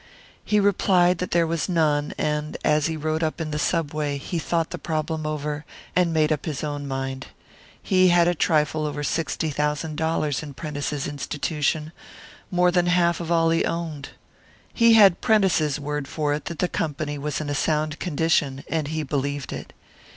He replied that there was none; and, as he rode up in the subway, he thought the problem over, and made up his own mind. He had a trifle over sixty thousand dollars in Prentice's institution more than half of all he owned. He had Prentice's word for it that the Company was in a sound condition, and he believed it.